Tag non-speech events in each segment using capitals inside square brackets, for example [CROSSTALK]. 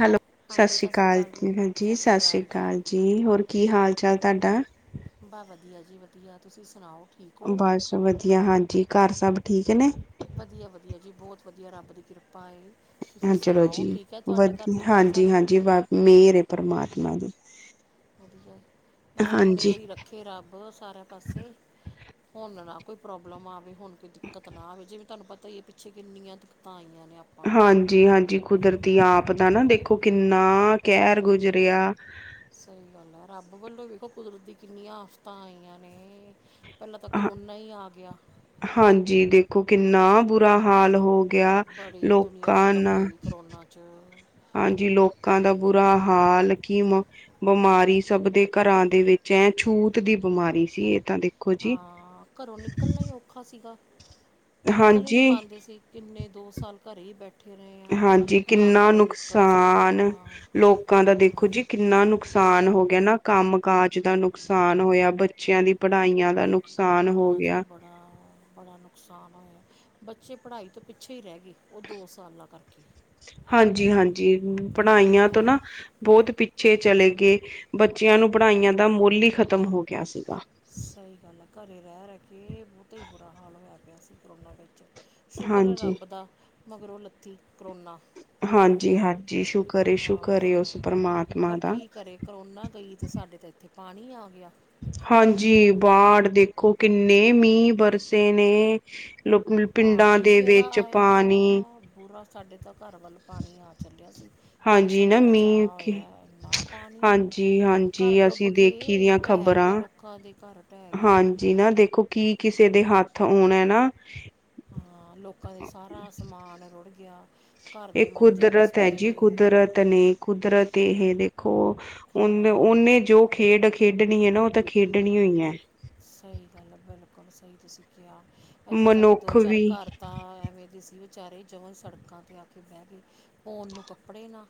Hello ਸਤਿ ਸ੍ਰੀ ਅਕਾਲ ਜੀ ਹਾਂ ਜੀ ਸਤਿ ਸ੍ਰੀ ਅਕਾਲ ਜੀ ਹੋਰ ਕੀ ਹਾਲ। ਚੱਲ ਤੁਹਾਡਾ। ਬਾਹ ਵਧੀਆ ਜੀ ਵਧੀਆ ਤੁਸੀਂ ਸੁਣਾਓ। ਠੀਕ ਹੋ ਬਸ ਵਧੀਆ ਹਾਂ ਜੀ। ਘਰ ਸਭ ਠੀਕ ਨੇ। ਵਧੀਆ ਵਧੀਆ ਜੀ ਬਹੁਤ ਵਧੀਆ ਰੱਬ ਦੀ ਕਿਰਪ। ਹ ਚਲੋ ਜੀ ਤੁਹਾਡੇ ਘਰ ਵਧੀ ਠੀਕ ਆ ਹਾਂਜੀ ਸਾਰੇ ਹਾਂਜੀ ਵ ਮੇਹਰ ਹੈ ਪਰਮਾ। ਤਮਾ ਦੀ। ਵਧੀਆ ਬਸ ਹਾਂਜੀ ਮਿਹਰ ਹੀ ਰੱਖੇ ਰੱਬ ਸਾਰਿਆਂ ਪਾਸੇ। ਹੁਣ ਨਾ। ਕੋਈ ਪ੍ਰੋਬਲਮ ਆਵੇ ਹੁਣ ਕੋਈ ਦਿੱਕਤ ਨਾ ਆਵੇ ਜਿਵੇਂ ਤੁਹਾਨੂੰ ਪਤਾ ਹੀ ਹੈ ਪਿੱਛੇ ਕਿੰਨੀਆਂ ਦਿੱਕਤਾਂ ਆਈਆਂ ਨੇ। ਆਪਾਂ ਨੂੰ ਹਾਂਜੀ ਹਾਂਜੀ ਕੁਦਰਤੀ ਆਪ। ਐ ਨਾ ਦੇਖੋ ਕਿੰਨਾ। ਕਹਿਰ ਗੁਜ਼ਰਿਆ। ਕੁਦਰਤੀ ਕਿੰਨੀਆਂ ਆਫ਼ਤਾਂ ਆਈਆਂ ਨੇ। ਪਹਿਲਾਂ ਤਾਂ ਕਰੋਨਾ ਹੀ ਆ ਗਿਆ। ਹਾਂਜੀ ਦੇਖੋ ਕਿੰਨਾ ਬੁਰਾ ਹਾਲ ਹੋਗ। ਗਿਆ ਬੜੀ ਦੁਨੀਆ ਲੋਕਾਂ ਖ਼ਤਮ ਨਾ। ਹੋਈ ਕਰੋਨਾ 'ਚ ਹਾਂਜੀ ਲੋਕਾਂ ਦਾ ਬੁਰਾ ਹਾਲ ਕੀ ਮ ਬਿਮਾਰੀ ਸਭ ਦੇ ਘਰਾਂ ਦੇ ਵਿੱਚ ਐ ਛੂਤ ਦੀ ਬਿਮਾਰੀ ਸੀ ਇਹ ਤ ਦੇ। ਹਾਂ ਘਰੋਂ ਨਿਕਲਣਾ ਹੀ ਔਖਾ ਸੀਗਾ। ਨਿਕਲ ਈ ਨਹੀਂ ਹਾਂਜੀ ਪਾਉਂਦੇ ਸੀ ਕਿੰਨੇ ਦੋ ਸਾਲ ਘਰੇ ਹੀ ਬੈਠ। ਹਾਂਜੀ ਕਿੰਨਾ ਸਕੇ ਨੁਕਸਾਨ ਆਪਾਂ ਲੋਕਾਂ ਦਾ ਦੇਖੋ ਹਮ, ਜੀ ਕਿੰਨਾ ਨੁਕਸਾਨ ਹੋ ਗਿਆ ਨਾ। ਕੰਮ ਕਾਜ ਦਾ ਨੁਕਸਾਨ ਹੋਇਆ, ਬੱਚਿਆਂ ਦੀ ਪੜ੍ਹਾਈਆਂ ਦਾ ਨੁ। ਬੜਾ ਜੀ ਬੜਾ ਬੜਾ ਨੁਕਸਾਨ ਹੋਇਆ। ਬੱਚੇ ਪੜ੍ਹਾਈ ਤੋਂ ਪਿੱਛੇ ਈ ਰਹਿ ਗਏ। ਉਹ ਸਾਲਾਂ ਕਰਕੇ ਹਾਂਜੀ ਹਾਂਜੀ ਪੜ੍ਹਾਈਆਂ ਤੋਂ ਹਮ, ਨਾ ਬਹੁਤ ਪਿੱਛੇ। ਚਲੇ ਗਏ। ਬੱਚਿਆਂ ਨੂੰ ਪੜ੍ਹਾਈਆਂ ਦਾ ਮੁੱਲ ਹੀ ਖ਼ਤਮ ਹੋ ਗਿਆ ਸੀਗਾ। ਸਹੀ ਗੱਲ ਹੈ ਘਰੇ ਰਹਿ ਰਹਿ ਕੇ ਬਹੁਤਾ ਹੀ ਬੁਰਾ ਹਾਲ ਹੋਇਆ ਪਿਆ ਸੀ ਕਰੋਨਾ ਵਿੱਚ। ਸ਼ੁਕਰ ਐ ਹਾਂਜੀ ਰੱਬ ਦਾ। ਮਗਰੋਂ ਲੱਥੀ। ਕਰੋਨਾ ਹਾਂਜੀ ਹਾਂਜੀ ਸ਼ੁਕਰ ਏ ਹਾਂ ਸ਼ੁਕਰ ਏ ਉਸ ਪਰਮਾਤਮਾ ਪਰ ਦਾ। ਕੀ ਕਰੇ ਕਰੋਨਾ ਗਈ ਤੇ ਸਾਡੇ ਤਾਂ ਇੱਥੇ ਪਾਣੀ ਆ ਗਿਆ। ਹਾਂਜੀ ਬਾੜ ਦੇਖੋ ਕਿੰਨੇ ਮੀਂਹ ਬਰਸੇ ਨੇ ਲੋਕਲ ਪਿੰਡਾਂ ਪਾਣੀ ਦੇ ਜਿਹੜਾ ਵਿੱਚ ਆਇਆ ਪਾਣੀ ਬੁਰਾ ਸਾਡੇ ਤਾਂ ਘਰ ਵੱਲ ਪਾਣੀ ਆ ਚੱਲਿਆ ਸੀ ਹਾਂਜੀ ਮਸਾਂ ਹੀ ਨਾ ਮੀਂਹ ਬਚਾਅ ਕਿ ਹੋਇਆ ਇਨਾ ਪਾਣੀ ਹਾਂਜੀ ਘਰ ਹਾਂਜੀ ਡੁੱਬ ਅਸੀਂ ਦੇਖੀ ਗਏ ਦੀਆਂ ਢਹਿ ਗਏ ਖ਼ਬਰਾਂ ਲੋਕਾਂ ਦੇ ਘਰ ਢਹਿ ਗਏ ਹੋਣਾ ਨਾ ਹਾਂ ਲੋਕਾਂ ਦਾ ਸਾਰਾ ਸਮਾਨ ਰੁੜ ਗਿਆ। ਘਰ ਇਹ ਦੇ ਮੰਜੇ ਕੁਦਰਤ ਹੈ। ਬਿਸਤਰੇ ਜੀ ਕੁਦਰਤ ਨੇ ਕੁਦਰਤੀ ਹੈ। ਦੇਖੋ। ਉਹ ਹਾਂ ਉਹਨੇ ਜੋ ਖੇਡ ਖੇਡਣੀ ਹੈ ਨਾ ਉਹ ਤਾਂ ਖੇਡਣੀ ਈਏ ਸਹੀ ਗੱਲ ਬਿਲਕੁਲ ਸਹੀ ਤੁਸੀਂ ਕਿਹਾ ਇੱਥੇ ਸਾਡੇ ਦੋ ਮਨੁੱਖ ਚਾਰ ਵੀ ਘਰ ਤਾਂ ਐਵੇਂ ਦੇ ਸੀ। ਵਿਚਾਰੇ ਜਮਾਂ ਸੜਕਾਂ 'ਤੇ ਆ ਕੇ ਬਹਿ ਗਏ ਉਹਨੂੰ ਕੱਪੜੇ ਨਾ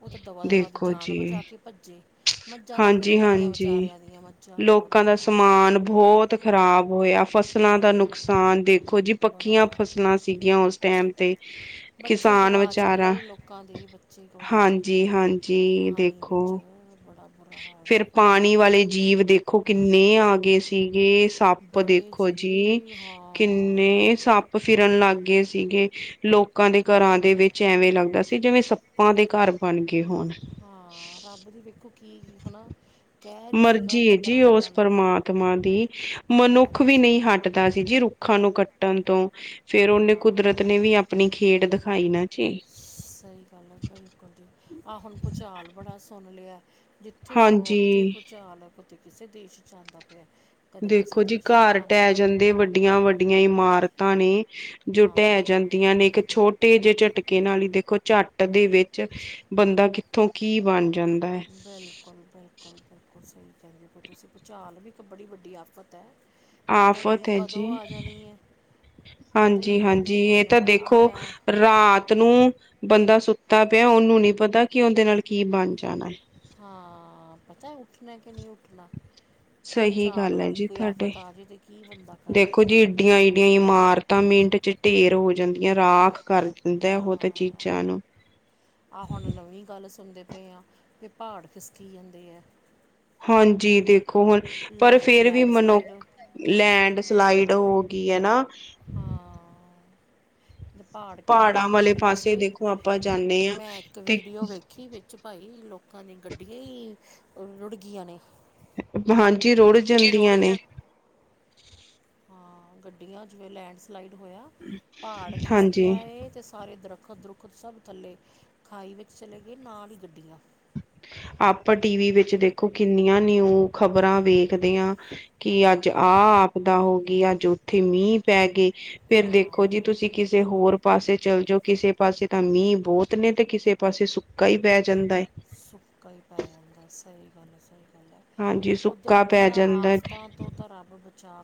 ਉਹ ਤੇ ਦਵਾ -ਦਵਾ ਦੀ ਦੇਖੋ ਜਾਨ ਜੀ ਬਚਾ ਕੇ ਭੱਜੇ ਮੱਝਾਂ ਤੱਕ ਹਾਂਜੀ ਰੁੜ ਗਈਆਂ ਹਾਂਜੀ ਵਿਚਾਰਿਆਂ ਦੀਆਂ ਮੱਝਾਂ ਵੀ ਰੁੜ ਲੋਕਾਂ ਦਾ ਗਿਆਂ। ਸਮਾਨ ਬਹੁਤ ਖ਼ਰਾਬ ਹੋਇਆ। ਫਸਲਾਂ ਦਾ ਹਾਂ ਨੁਕਸਾਨ ਦੇਖੋ। ਇਹੋ ਜਿਹੀ ਪੱਕੀਆਂ ਬੜਾ ਫਸਲਾਂ ਸੀਗੀਆਂ ਉਸ ਟੈਮ ਤੇ ਬੱਚੇ ਕਿਸਾਨ ਗਵਾਚ ਵਿਚਾਰਾ ਗਏ ਲੋਕਾਂ ਦੇ ਬੱਚੇ ਗਵਾਚ ਹਾਂਜੀ ਗਏ ਹਾਂਜੀ ਪਾਣੀ ਵਿੱਚ ਦੇਖੋ। ਬੜਾ ਬੁਰਾ ਹਾਲ ਫਿਰ ਸੀ ਪਾਣੀ ਦਾ ਵਾਲੇ ਜੀਵ ਦੇਖੋ ਕਿੰਨੇ ਹਾਂ ਗ ਸੀਗੇ ਸੱਪ ਬੜੇ ਦੇਖੋ ਜੀ ਹਾਂ ਕਿੰਨੇ ਸੱਪ ਫਿਰਨ ਲੱਗ ਗਏ। ਸੀਗੇ ਲੋਕਾਂ ਦੇ ਘਰਾਂ ਦੇ ਵਿੱਚ ਐਵੇਂ ਲੱਗਦਾ ਸੀ ਜਿਵੇਂ ਸੱਪਾਂ ਦੇ ਘਰ ਬਣ ਗਏ ਗੇ ਹੋਣ ਹਾਂ ਰੱਬ ਦੀ ਵੇਖੋ ਕੀ ਹੈ ਨਾ ਮਰਜੀ ਜੀ ਉਸ ਪਰਮਾਤਮਾ ਦੀ ਕਹਿਰ ਮਨੁੱਖ ਹੀ ਵੀ ਸੀ ਨਹੀਂ ਹਟਦਾ ਸੀ ਜੀ ਰੁੱਖਾਂ ਨੂੰ ਕੱਟ ਟਣ ਤੋਂ ਫੇਰ ਉਹਨੇ ਕੁਦਰਤ ਹਾਂ ਨੇ ਵੀ ਆਪਣੀ ਖੇਡ ਦਿਖਾਈ ਨਾ ਜੀ ਸਹੀ ਗੱਲ ਹੈ। ਬਿਲਕੁਲ ਜੀ ਆਹ ਹੁਣ ਭੁਚਾਲ ਬੜਾ ਸੁਣ ਲਿਆ। ਜਿੱਥੇ ਸੁਣੋ ਉੱਥੇ ਹਾਂਜੀ ਭੂਚਾਲ ਅਤੇ ਕਿਸੇ ਦੇਸ਼ 'ਚ ਆਦਾ ਪਿਆ ਕਦੇ ਕਿਸੇ ਦੇਖੋ ਜੀ ਦੇਸ਼ ਵਿੱਚ ਘਰ ਆਉਂਦਾ ਢਹਿ ਪਿਆ ਜਾਂਦੇ ਵੱਡੀਆਂ- ਵੱਡੀਆਂ ਇਮਾਰਤਾਂ ਪਾਂਣੀ ਜੋ ਢਹਿ ਹਾਂ ਜਾਂਦੀਆਂ ਨੇ ਇੱਕ ਛੋਟੇ ਜਿਹੇ ਝਟਕੇ ਨਾਲ ਹੀ ਦੇਖੋ, ਝੱਟ ਦੇ ਵਿੱਚ ਬੰਦਾ ਕਿੱਥੋਂ ਕੀ ਬਣ ਜਾ ਬਿਲਕੁਲ- ਬਿਲਕੁਲ- ਬਿਲਕੁਲ ਸਹੀ ਕਹਿੰਦੇ, ਤੁਸੀਂ ਭੁਚਾਲ ਵੀ ਇੱਕ ਬੱੜੀ ਵੱਡੀ ਆਫ਼ਤ ਹੈ। ਪਤਾ ਹੀ ਨਹੀਂ ਆਫ਼ਤ ਹੈ। ਜੀ, ਕਦੋਂ ਆ ਜਾਣੀ ਹੈ ਪਤਾ ਹੀ ਹਾਂਜੀ ਨਹੀਂ ਕਦੋਂ -ਹਾਂਜੀ ਆ ਇਹ ਤਾਂ ਜਾਣਾ ਦੇਖੋ, ਆਇਆ ਰਾਤ ਨੂੰ ਬੰਦਾ ਸੁੱਤਾ ਪਿਆ। ਉਹਨੂੰ ਨਹੀਂ ਪਤਾ ਕਿ ਉਹਦੇ ਨਾਲ ਕੀ ਬਣ ਜਾ ਹਾਂ, ਪਤਾ ਉੱਠਣਾ ਕਿ ਨਹੀਂ ਉੱਠਣਾ। ਅਤਲਾੱਖ [UNINTELLIGIBLE] ਸਹੀ ਗੱਲ ਹੈ ਜੀ ਤੁਹਾਡੇ, ਆ ਜੇ ਤੇ ਕੀ ਬੰਦਾ ਕਰੇ ਦੇਖੋ ਜੀ, ਇਡੀਆਂ- ਇਡੀਆਂ ਇਮਾਰਤਾਂ ਤਾਂ ਮਿੰਟ ਚ ਢੇਰ ਹੋ ਜਾਂਦੀਆਂ ਰਾਖ ਕਰ ਦਿੰਦਾ। ਹਾਂ ਉਹ ਤਾਂ ਚੀਜ਼ਾਂ ਨੂੰ ਹਾਂ, ਅਤੇ ਪਹਾੜ ਖਿਸਕੀ ਜਾਂਦੇ ਆ। ਹਾਂਜੀ। ਦੇਖ ਖੋਣ, ਪਰ ਫਿਰ ਵੀ ਲੈਂਡ ਸਲਾਈਡ ਹਾਂ ਮਨੁੱਖ ਲੈਂਡ, ਸਲਾਈਡ ਹੋ। ਕੀ ਹੈ। ਨਾ ਹਾਂ, ਪਹਾੜ ਕਿੰਨੇ ਪਹਾੜਾਂ ਵਾਲੇ ਪਹਾੜ ਖਿਕਸੇ ਪਾਸੇ ਕੇ, ਦੇਖੋ ਆਪਾਂ ਜਾਂਦੇ ਹਾਂ ਮੈਂ ਇੱਕ ਤੇ ਵੀਡੀਓ ਵੇਖੀ। ਵਿੱਚ ਭਾਈ ਲੋਕ ਲੋਕਾਂ ਦੀਆਂ ਗੱਡੀਆਂ ਹੀ ਰੁੜ ਗੀਆਂ ਨੇ ਹਾਂਜੀ। ਰੁੜ ਜੀ ਜਾਂਦੀਆਂ ਨੇ ਰੋਡ [UNINTELLIGIBLE] ਗੱਡੀਆਂ ਜਿਵੇਂ ਲੈਂਡ ਸਲਾਈਡ ਹੋਇਆ। ਪਹਾੜ ਖਿਸਕਿਆ ਹਾਂਜੀ ਤੇ ਸਾਰੇ ਦਰਖਤ ਦੁੱਖ ਦ ਦੁੱਖਦ ਸਭ ਥੱਲੇ ਖਾਈ ਵਿੱਚ ਚਲੇ ਗਏ। ਨਾਲ ਹੀ ਗੱਡੀਆਂ ਆਪਾਂ ਟੀ ਵੀ ਵਿੱਚ ਦੇਖੋ ਕਿੰਨੀਆਂ ਨਿਊ ਖ਼ਬਰਾਂ ਵੇਖਦੇ ਹਾਂ। ਕਿ ਅੱਜ ਆ ਆਪਦਾ ਹੋ ਗਈ। ਅੱਜ ਉੱਥੇ ਮੀਂਹ ਪੈ ਗਏ। ਫੇਰ ਹਾਂ ਦੇਖੋ ਜੀ, ਤੁਸੀਂ ਕਿਸ ਕਿਸੇ ਹੋਰ ਪਾਸੇ ਚੱਲ ਜਾਓ। ਕਿਸੇ ਪਾਸੇ ਤਾਂ ਮੀਂਹ ਬਹੁਤ ਨੇ ਤੇ ਕਿਸੇ ਪਾਸੇ ਸੁੱਕਾ ਹੀ ਪੈ ਜਾਂਦਾ ਹੈ। ਕੋਈ ਪਾਏ ਹੁੰਦਾ। ਸਹੀ ਗੱਲ ਸਹੀ ਹਾਂਜੀ ਕੁਦਰਤ ਸੁੱਕਾ ਪੈ ਦੀਆਂ ਜਾਂਦਾ ਆਫ਼ਤਾਂ ਤੋਂ ਤਾਂ ਰੱਬ ਬੱਚਾ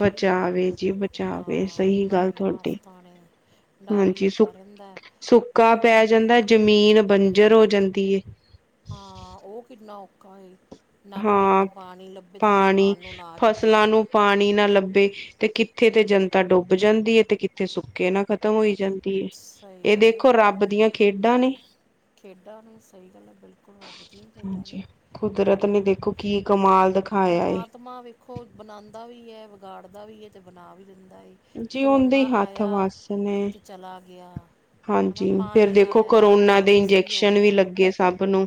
ਬਚਾਵੇ ਜੀ ਬਚਾਵੇ ਹਾਂ ਸਹੀ ਗੱਲ ਬੜੀਆਂ ਤੁਹਾਡੀ, ਆਫਤਾਂ ਨੇ ਡਰ ਹੀ ਹਾਂਜੀ। ਸੁ- ਲੱਗਾ ਰਹਿੰਦਾ ਵੀ ਸੁੱਕਾ ਪਤਾ ਪੈ ਜਾਂਦਾ। ਨਹੀਂ ਜਮੀਨ ਬੰਜਰ ਹੋ ਜਾਂਦੀ। ਹਾਂ, ਉਹ ਕਿੰਨਾ ਪਕਾਈ ਹਾਂ, ਪਾਣੀ ਖਾਣ ਨੂੰ ਨਾ ਜੁਗੇ ਫਸਲਾਂ ਨੂੰ ਪਾਣੀ ਨਾ ਲੱਭੇ। ਤੇ ਕਿੱਥੇ ਤੇ ਜਨਤਾ ਡੁੱਬ ਜਾਂਦੀ ਹੈ ਤੇ ਕਿੱਥੇ ਸੁੱਕੇ ਨਾ ਖ਼ਤਮ ਹੋਈ ਜਾਂਦੀ। ਹੈ ਸਹੀ ਇਹ ਗੱਲ ਹੈ, ਦੇਖੋ ਵੇਖੋ ਰੱਬ ਦੀਆਂ ਖੇਡਾਂ ਨੇ ਖੇਡਾਂ ਨੇ ਸਹੀ ਗੱਲ ਹੈ, ਬਿਲਕੁਲ ਰੱਬ ਦੀ ਖੇਡਾਂ ਨੇ। ਹਾਂਜੀ ਕੁਦਰਤ ਨੇ ਦੇਖੋ ਕੀ ਕਮਾਲ ਦਿਖਾਇਆ ਏ ਪਰਮਾਤਮਾ ਵੇਖੋ ਬਣਾਉਦਾ ਵੀ ਏ, ਵਿਗਾੜਦਾ ਵੀ ਏ। ਤੇ ਬਣਾ ਵੀ ਜੀ ਉਹਦੇ ਹੀ ਕਰੋਨਾ ਹੱਥ ਆਇਆ ਵੱਸ ਨੇ ਤੇ ਚਲਾ ਗਿਆ ਹੈ ਨਾ ਹਾਂਜੀ, ਫੇਰ ਪਾਣੀ ਦੇਖੋ ਆਇਆ ਅਤੇ ਕਰੋਨਾ ਉਹ ਦੇ ਵੀ ਸਹੀ ਹੋ ਇੰਜੈਕਸ਼ਨ ਵੀ ਗਿਆ ਲੱਗੇ ਸਭ ਨੂੰ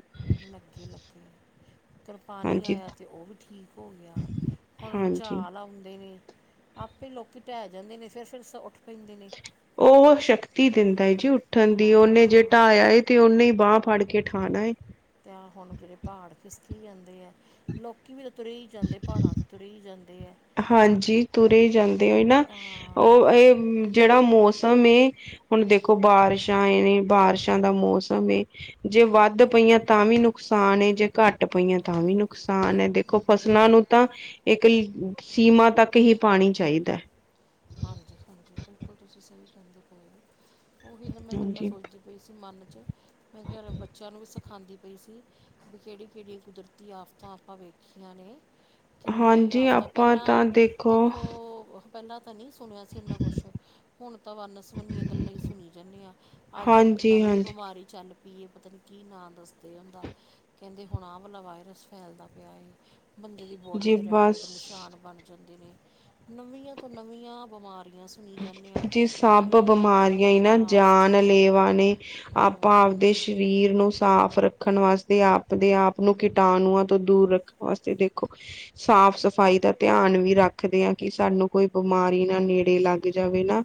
ਲੱਗੇ ਲੱਗੇ ਉਰ ਪਾਣੀ ਹਾਂਜੀ ਆਇਆ ਤੇ ਉਹ ਵੀ ਠੀਕ ਹੋ ਗਿਆ, ਹੁਣ ਹਾਂਜੀ ਭੁਚਾਲ ਆਉਂਦੇ ਨੇ, ਆਪੇ ਲੋਕੀ ਢਹਿ ਜਾਂਦੇ ਨੇ ਫਿਰ ਉੱਠ ਪੈਂਦੇ ਨੇ ਉਹ ਸ਼ਕਤੀ ਦਿੰਦਾ ਏ ਜੀ ਉੱਠਣ ਦੀ, ਉਹਨੇ ਜੇ ਹਾਂ ਢਾਹਿਆ ਤੇ ਉਹਨੇ ਹੀ ਬਾਂਹ ਫੜ ਕੇ ਕੇ ਉਠਾਣਾ ਏ। ਤਾਂ ਹੁਣ ਜਿਹੜੇ ਪਹਾੜ ਖਿਸਕੀ ਜਾਂਦੇ ਆ, ਲੋਕੀ ਵੀ ਨਾ ਤੁਰੇ ਹੀ ਜਾਂਦੇ ਐ, ਪਹਾੜਾਂ ਤੇ ਤੁਰੇ ਜਾਂਦੇ ਐ। ਹਾਂਜੀ ਤੁਰੇ ਹੀ ਜਾਂਦੇ ਆ ਉਹੀ ਨਾ, ਇਹ ਜਿਹੜਾ ਮੌੋਸ ਮੌਸਮ ਏ ਹੁਣ ਦੇਖੋ ਬਾਰਿਸ਼ਾਂ ਏ ਨੇ, ਬਾਰਿਸ਼ਾਂ ਦਾ ਮੌਸਮ ਏ, ਜੇ ਵੱਧ ਪਈਆਂ ਤਾਂ ਵੀ ਨੁਕਸਾਨ ਏ ਜੇ ਘੱਟ ਪਈਆਂ ਤਾਂ ਵੀ ਨੁਕਸਾਨ ਏ, ਦੇਖੋ ਫਸਲਾਂ ਨੂੰ ਬਿਲਕੁਲ ਤਾਂ ਇੱਕ ਸੀਮਾ ਤੱਕ ਹੀ ਪਾਣੀ ਚਾਹੀਦਾ ਏ। ਹਾਂਜੀ, ਹਾਂਜੀ ਬਿਲਕੁਲ, ਤੁਸੀਂ ਸਹੀ ਕਹਿੰਦੇ ਪਏ ਹੋ। ਉਹੀ ਨਾ ਮੈਂ ਗੱਲਾਂ ਹਾਂਜੀ ਸੋਚਦੀ ਪਈ ਸੀ, ਮਨ ਮੈਂ ਕਿਹਾ ਬੱਚਿਆਂ ਨੂੰ ਵੀ ਸਿਖਾਉਂਦੀ ਪਈ ਸੀ, ਵੀ ਕਿਹੜੀ ਕਿਹੜੀਆਂ ਕੁਦਰਤੀ ਆਫ਼ਤਾਂ ਆਪਾਂ ਵੇਖੀਆਂ ਨੇ ਕਿੰਨੀਆਂ ਹੀ ਹਾਂਜੀ ਆਫ਼ਤਾਂ ਆਪਾਂ ਤਾਂ ਪਹਿਲਾਂ ਦੇਖੋ ਪਹਿਲਾਂ [UNINTELLIGIBLE] ਸੁਣਿਆ ਸੀ ਇੰਨਾ ਕੁਛ, ਹੁਣ ਤਾਂ ਵਨ ਸਵਣਿਆ ਗੱਲਾਂ ਹੀ ਸੁਣੀ ਜਾਂਦੇ ਆ, ਆਹ ਹੁਣ ਇੱਕ ਹਾਂਜੀ ਨਵੀਂ ਹਾਂਜੀ ਬਿਮਾਰੀ ਚੱਲ ਪਤਾ ਨਹੀਂ ਕੀ ਨਾਂ ਦੱਸਦੇ ਇਹਦਾ, ਕਹਿੰਦੇ ਹੁਣ ਆਹ ਵਾਲਾ ਵਾਇਰਸ ਫੈਲਦਾ ਪਿਆ ਏ। ਬੰਦੇ ਦੀ ਬੋਡੀ ਜੀ ਦੇ ਰੈੱਡ ਰੈੱਡ ਬਸ ਨਿਸ਼ਾਨ ਬਣ ਜਾਂਦੇ ਨੇ ਨਵੀਆਂ ਨਵੀਆਂ ਬੀਮਾਰੀਆਂ ਜੀ ਸਭ ਤੋਂ ਬਿਮਾਰੀਆਂ ਇਹ ਨਾ ਨਵੀਆਂ ਆਫਤਾਂ ਜਾਨਲੇਵਾ ਨੇ, ਆਪਾਂ ਆਪਦੇ ਹਮ, ਸਰੀਰ ਨੂੰ ਸਾਫ਼ ਰੱਖ ਰੱਖਣ ਵਾਸਤੇ ਆਪਦੇ ਆਪ ਨੂੰ ਕੀਟਾਣੂਆਂ ਤੋਂ ਦੂਰ ਰੱਖਣ ਵਾਸਤੇ, ਦੇਖੋ ਸਾਫ਼ ਹਮ, ਸਫ਼ਾਈ ਦਾ ਧਿਆਨ ਵੀ ਰੱਖਦੇ ਆ ਕਿ ਸਾਨੂੰ ਕੋਈ ਬਿਮਾਰੀ ਨਾ ਨੇੜੇ ਲੱਗ ਲੱਗ ਜਾਵੇ ਨਾ।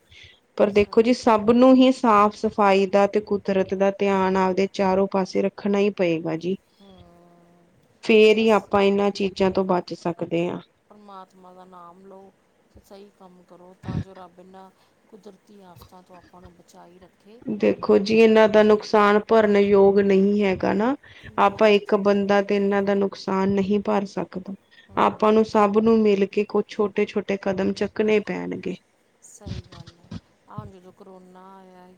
ਪਰ ਦੇਖੋ ਸਹੀ ਜੀ ਗੱਲ ਸਭ ਹੈ ਨੂੰ ਹੀ ਸਾਫ਼ ਫਾਈਦਾ ਤੇ ਕੁਦਰਤ ਦਾ ਧਿਆਨ, ਆਪਦੇ ਚਾਰੋ ਪਾਸੇ ਰੱਖਣਾ ਹੀ ਪਏਗਾ ਜੀ। ਹਮ, ਇਹ ਫੇਰ ਹੀ ਬਸ ਆਪਾਂ ਇਹਨਾਂ ਚੀਜ਼ਾਂ ਤੋਂ ਬੱਚ [UNINTELLIGIBLE] ਪਰਮਾਤਮਾ ਦਾ ਨਾਮ ਲਓ ਤੇ ਸਹੀ ਕੰਮ ਕਰੋ ਤਾਂ ਜੋ ਰੱਬ ਇਹਨਾਂ ਕੁਦਰਤੀ ਆਫ਼ਤਾਂ ਤੋਂ ਆਪਾਂ ਨੂੰ ਬਚਾਾਈ ਰੱਖ ਦੇਖੋ ਜੀ ਇਹਨਾਂ ਦਾ ਨੁਕਸ ਨੁਕਸਾਨ ਭਰਨੇ ਯੋਗ ਨਹੀਂ ਹੈ। ਨਾ ਆਪਾਂ ਨਹੀਂ ਇੱਕ ਅਜੇ ਬੰਦਾ ਤੇ ਇਹਨਾਂ ਦਾ ਨੁਕਸਾਨ ਨੁਕਸਾਨ ਨਹੀਂ ਭਰ ਸਕਦਾ ਆਪਾਂ ਹਾਂ ਨੂੰ ਸਭ ਨੂੰ ਮਿਲ ਕੇ ਕੁਛ ਛੋਟੇ ਛੋਟੇ ਕਦਮ ਚੱਕਣੇ ਪੈਣਗੇ। ਸਹੀ ਗੱਲ ਹੈ ਆ ਜਦੋਂ ਕਰੋਨਾ ਆਇਆ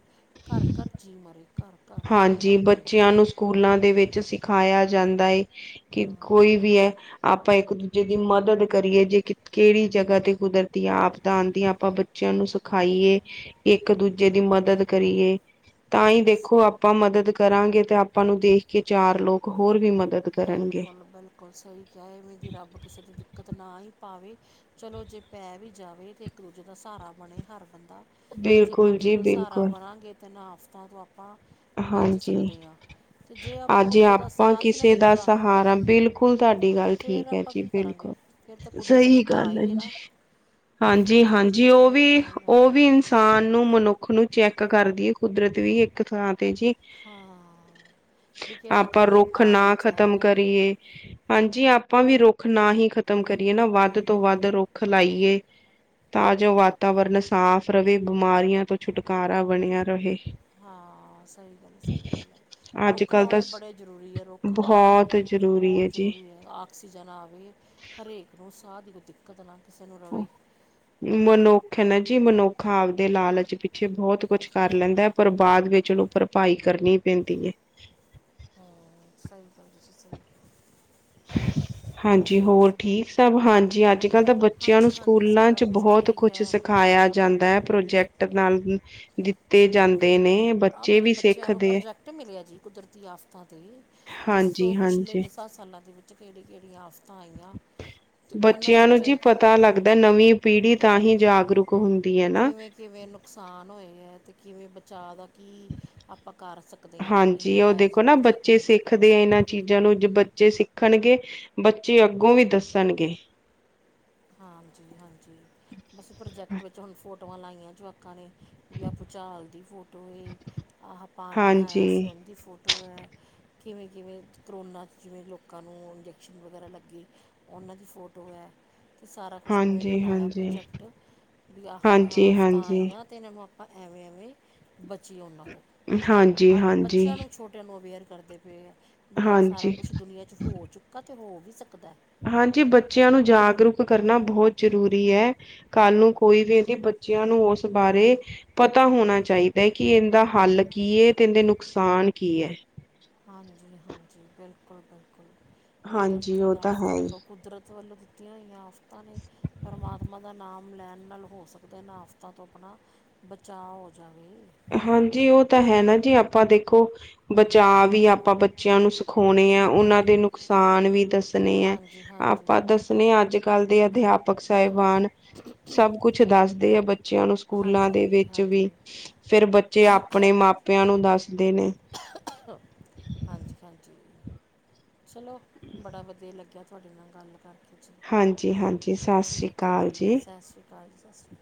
ਘਰ ਘਰ ਜੀਅ ਮਰੇ ਘਰ ਘਰ ਜੀ ਹਾਂਜੀ ਮਰ ਗਏ ਬੱਚਿਆਂ ਨੂੰ ਸਕੂਲਾਂ ਦੇ ਵਿੱਚ ਸਿਖਾਇਆ ਜਾਂਦਾ ਦਾ ਏ ਕਿ ਕੋਈ ਵੀ ਹੈ ਆਪਾਂ ਇੱਕ ਦੂਜੇ ਦੀ ਮਦਦ ਕਰੀਏ ਜੇ ਕਿਹੜੀ ਜਗ੍ਹਾ ਤੇ ਕੁਦਰਤੀ ਆਪਦਾ ਆਉਂਦੀ ਆਪਾਂ ਬੱਚਿਆਂ ਨੂੰ ਸਿਖਾਈਏ ਇੱਕ ਦੂਜੇ ਦੀ ਮਦਦ ਕਰੀਏ ਤਾਂ ਹੀ ਦੇਖੋ। ਆਪਾਂ ਮਦਦ ਕਰਾਂਗੇ ਤੇ ਆਪਾਂ ਨੂੰ ਦੇਖ ਕੇ ਚਾਰ ਲੋਕ ਹੋਰ ਵੀ ਮਦਦ। ਕਰਨਗੇ। ਬਿਲਕੁਲ ਬਿਲਕੁਲ ਸਹੀ ਕਿਹਾ ਇਵੇਂ ਦੀ ਰੱਬ ਕਿਸੇ ਦੀ ਦਿੱਕਤ ਨਾ ਆਈ। ਭਾਵੇਂ ਚਲੋ ਜੇ ਪੈ ਵੀ ਜਾਵੇ ਤਾਂ ਇੱਕ ਦੂਜੇ ਦਾ ਸਹਾਰਾ ਬਣੇ ਹਰ ਬੰਦਾ ਜੇ ਬਿਲਕੁਲ ਦੂਜੇ ਜੀ ਦਾ ਸਹਾਰਾ ਬਿਲਕੁਲ ਬਣਾਂਗੇ ਤੇ ਨਾ ਆਫ। ਤਾਂ ਤੋਂ ਆਪ ਆਪਾਂ ਬਚ ਹਾਂਜੀ ਸਕਦੇ ਹਾਂ ਤੇ ਜੇ ਆਪਾਂ ਇੱਕ ਅੱਜ ਦੂਜੇ ਦਾ ਆਪਾਂ ਸਾਥ ਹੀ ਨਾ ਕਿਸੇ ਦਾ ਦਿੱਤਾ। ਸਹਾਰਾ ਬਿਲਕੁਲ ਤੁਹਾਡੀ ਅਤੇ ਗੱਲ ਫਿਰ ਠੀਕ ਹੈ ਆਪਾਂ ਜੀ ਕੀ ਕਰਾਂਗੇ ਬਿਲਕੁਲ ਫਿਰ ਤਾਂ ਕੁਦਰਤ ਨੇ ਸਹੀ ਢਾਹ ਗੱਲ ਹੀ ਹੈ ਦੇਣਾ ਫਿਰ ਹਾਂਜੀ ਤਾਂ ਹਾਂਜੀ ਕੁਦਰਤ ਉਹ ਨੇ ਵੀ ਢਾਹ ਹੀ ਉਹ ਦੇਣਾ ਵੀ ਇਨਸਾਨ ਨੂੰ ਮਨੁੱਖ ਨੂੰ ਚੈੱਕ ਕਰਦੀ ਏ ਕੁਦਰਤ ਵੀ ਇੱਕ ਥਾਂ ਤਾਂ ਜੀ ਹਾਂ ਵੀ ਕਿਹੜਾ ਆਪਾਂ ਕਿੰਨੇ ਰੁੱਖ ਨਾ ਪਾਣੀ 'ਚ ਖ਼ਤਮ ਕਰੀਏ ਹਾਂਜੀ ਆਪ ਆਪਾਂ ਵੀ ਰੁੱਖ ਨਾ ਹੀ ਖ ਖ਼ਤਮ ਕਰੀਏ ਨਾ ਵੱਧ ਹੈ ਤੋਂ ਵੱਧ ਰੁੱਖ ਲਾਈਏ। ਤਾਂ ਜੋ ਵਾਤਾਵਰਨ ਸਾਫ਼ ਰਹੇ ਬਿਮਾਰੀਆਂ ਤੋਂ ਛੁਟਕਾਰਾ ਬਣਿਆ ਰਹੇ। ਹਾਂ ਸਹੀ ਗੱਲ ਸਹੀ ਗੱਲ ਹੈ ਅੱਜ ਰੁੱਖ ਕੱਲ ਤਾਂ ਲਾਉਣੇ ਬੜੇ ਜ਼ਰੂਰੀ ਹੈ ਰੁੱਖ ਤਾਂ ਬਹੁਤ ਜ਼ਰੂਰੀ ਬਹੁਤ ਜੀ ਜ਼ਰੂਰੀ ਹੈ ਆਕਸੀਜਨ ਆਵੇ ਹਰੇਕ ਨੂੰ ਸਾਹ ਦੀ ਕੋਈ ਦਿੱਕਤ ਕੱਟਣਾ ਕਿਸੇ ਨੂੰ ਰਵੇ। ਖ ਜੀ ਮਨੁੱਖ ਆਪਦੇ ਲਾਲਚ ਪਿੱਛੇ ਬਹੁਤ ਕੁਛ ਕਰ ਲੈਂਦਾ ਹੈ ਪਰ ਬਾਅਦ ਵਿੱਚ ਉਹਨੂੰ ਭਰਪਾਈ ਕਰਨੀ ਪੈਂਦੀ ਹੈ। ਹਾਂ ਸਹੀ ਕਿਹਾ ਜੀ ਸਹੀ ਕਿਹਾ। ਹਾਂਜੀ ਹੋਰ ਠੀਕ ਸੁਣਾਓ ਸਭ ਹਾਂਜੀ ਅੱਜ ਕੱਲ੍ਹ ਤਾਂ ਬੱਚਿਆਂ ਨੂੰ ਹਾਂਜੀ ਹਾਂਜੀ ਸਕੂਲਾਂ ਸਾਰਾ ਚ ਕੁਛ ਬਹੁਤ ਠੀਕ ਕੁਛ ਹੈ ਸਿਖਾਇਆ ਜਾਂਦਾ ਹੈ ਪ੍ਰੋਜੈਕਟ ਨਾਲ ਦਿੱਤੇ ਜਾਂਦੇ ਨੇ ਆਹ ਬੱਚੇ ਮੇਰੇ ਵੀ ਬੱਚਿਆਂ ਨੂੰ ਸਿੱਖਦੇ ਪ੍ਰੋਜੈਕਟ ਮਿਲਿਆ ਜੀ ਕੁਦਰਤੀ ਆਫ਼ਤਾਂ ਤੇ ਦੱਸੋ ਹਾਂਜੀ ਪਿਛਲੇ ਹਾਂਜੀ ਦਸਾਂ ਸਾਲਾਂ ਦੇ ਵਿੱਚ ਵਿੱਚ ਕਿਹੜੀਆਂ ਕਿਹੜੀਆਂ ਆਫਤਾ ਬੱਚਿਆਂ ਨੂੰ ਜੀ ਪਤਾ ਲੱਗਦਾ ਨਵੀਂ ਪੀੜ੍ਹੀ ਤਾਂ ਹੀ ਜਾਗਰੂਕ ਹੁੰਦੀ ਹੈ ਨਾ। ਕਿਵੇਂ ਕਿਵੇਂ ਨੁਕਸਾਨ ਹੋਏ ਹੈ ਤੇ ਕਿਵੇਂ ਬੇ ਚਾਹ ਦਾ ਕੀ ਆਪਾਂ ਕਰ ਸਕਦੇ ਹਾਂ ਹਾਂਜੀ ਇਹ ਉਹ ਆਇਆ ਜੀ ਦੇਖੋ ਨਾ ਪ੍ਰੋਜੈਕਟ ਬੱਚੇ ਸਿੱਖਦੇ ਆ ਇਹਨਾਂ ਚੀਜ਼ਾਂ ਨੂੰ ਜੇ ਬੱਚੇ ਸਿੱਖ ਸਿੱਖਣਗੇ ਬੱਚੇ ਅੱਗੋਂ ਵੀ ਦੱਸਣਗੇ। ਹਾਂਜੀ ਹਾਂਜੀ ਬਸ ਪ੍ਰੋਜੈਕਟ ਵਿੱਚ ਹੁਣ ਫੋ ਆਟੋਆਂ ਲਾਈਆਂ ਜੁਵਾਕਾਂ ਨੇ ਵੀਆ ਭੂਚਾਲ ਦੀ ਫੋਟੋ ਹੈਏ ਅਹ ਪਾਣੀ ਆਇਆ ਹਾਂਜੀ, ਸੀ ਉਹਦੀ ਫੋਟੋ ਐ। ਕਿਵੇਂ ਕਿਵੇਂ ਕਰੋਨਾ 'ਚ ਜਿਵੇਂ ਲੋਕਾਂ ਨੂੰ ਇੰਜੈਕਸ਼ਨ ਵਗੈਰਾ ਲੱਗੀ ਉਹਨਾਂ ਦੀ ਫੋਟੋ ਐ ਸਾਰਾ ਕੁਛ ਉਵੇ ਹਾਂਜੀ, ਬਣਾਇਆ ਹਾਂਜੀ। ਪ੍ਰੋਜੈਕਟ ਵੀ ਆਹ -ਆਹ ਹਾਂਜੀ, ਹਫ਼ਤਾ ਹਾਂਜੀ, ਆਈਆਂ ਅਤੇ ਇਹਨਾਂ ਨੂੰ ਆਪਾਂ ਐਵੇਂ ਐਵੇਂ ਬਚੀ ਉਹਨਾ ਹਾਂਜੀ ਹਾਂਜੀ ਨੂੰ ਅਵੇਅਰ ਕਰਦੇ ਪੈ ਐ ਵੀ ਆਹ ਸਾਰਾ ਹਾਂਜੀ, ਕੁਛ ਦੁਨੀਆਂ ਚ ਹੋ ਚੁੱਕਾ ਤੇ ਹੋ ਵੀ ਸਕਦਾ ਹੈ। ਹਾਂਜੀ ਬੱਚਿਆਂ ਨੂੰ ਜਾਗਰੂਕ ਕਰਨਾ ਬਹੁਤ ਜ਼ਰੂਰੀ ਹੈ ਕੱਲ੍ਹ ਨੂੰ ਕੋਈ ਵੀ ਇਹਦੀ ਬੱਚਿਆਂ ਨੂੰ ਉਸ ਬਾਰੇ ਪਤਾ ਹੋਣਾ ਚਾਹੀਦਾ ਹੈ ਕਿ ਇਹਦਾ ਹੱਲ ਕੀ ਹੈ ਤੇ ਇਹਦੇ ਨੁਕਸਾਨ ਕੀ ਐ। ਹਾਂਜੀ। ਹਾਂਜੀ ਬਿਲਕੁਲ ਬਿਲਕੁਲ ਹਾਂਜੀ ਕੁਦਰਤੀ ਉਹ ਤਾਂ ਆਫ਼ਤਾ ਹੈ ਹੀ। ਵੇਖੋ ਕੁਦਰਤ ਵੱਲੋਂ ਦਿੱਤੀਆਂ ਹੋਈਆਂ ਆਫ਼ਤਾਂ ਨੇ ਪਰਮਾਤਮਾ ਦਾ ਨਾਮ ਲੈਣ ਨਾਲ ਹੋ ਸਕਦਾ ਇਹਨਾਂ ਆਫ਼ਤਾਂ ਤੋਂ ਆਪਣਾ ਬਚਾਅ ਹੋ ਜਾਵੇ। ਹਾਂਜੀ ਉਹ ਤਾਂ ਹੈ ਨਾ ਜੀ ਆਪਾਂ ਦੇਖੋ ਬਚਾਅ ਵੀ ਆਪਾਂ ਬੱਚਿਆਂ ਨੂੰ ਖੋਣੇ ਹੈ ਚਲੋ ਉਹਨਾਂ ਦੇ ਨੁਕਸਾਨ ਵੀ ਦੱਸਣੇ ਹੈ ਹਾਂਜੀ ਹਾਂਜੀ ਆਪਾਂ ਦੱਸਣੇ ਆ ਅੱਜ ਕੱਲ ਦੇ ਅਧਿਆਪਕ ਸਾਹਿਬਾਨ ਸਭ ਕੁਛ ਦੱਸਦੇ ਆ ਬ ਬੱਚਿਆਂ ਨੂੰ ਸਕੂਲਾਂ ਹਾਂਜੀ ਦੇ ਹਾਂਜੀ ਵਿੱਚ ਵੀ ਹਾਂਜੀ ਫਿਰ ਬੱਚੇ ਆਪਣੇ ਮਾਪਿਆਂ ਨੂੰ ਦੱਸਦੇ ਨੇ ਹਾਂਜੀ ਹਾਂਜੀ ਚਲੋ ਬੜਾ ਵਧੀਆ ਲੱਗਿਆ ਤੁਹਾਡੇ ਨਾਲ ਗੱਲ ਕਰਕੇ ਜੀ ਹਾਂਜੀ ਹਾਂਜੀ ਸਤਿ ਸ੍ਰੀ ਠੀਕ ਹੈ ਅਕਾਲ ਜੀ ਸਤਿ ਸ਼੍ਰੀ ਸਤਿ ਸ੍ਰੀ ਅਕਾਲ